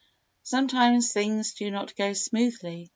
Sometimes things do not go smoothly.